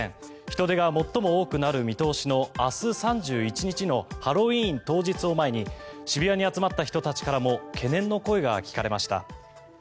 人出が最も多くなる見通しの明日３１日のハロウィーン当日を前に渋谷に集まった人たちからも懸念の声が聞かれました。